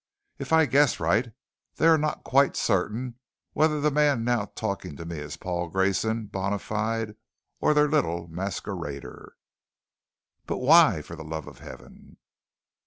If I guess right, they are not quite certain whether the man now talking to me is Paul Grayson, bona fide, or their little masquerader." "But why, for the Love of Heaven?"